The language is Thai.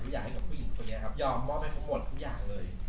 ยอมหมดไปข้อหมดทุกอย่างเลย